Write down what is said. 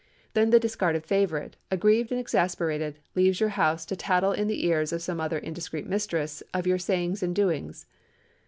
Then the discarded favorite, aggrieved and exasperated, leaves your house to tattle in the ears of some other indiscreet mistress, of your sayings and doings.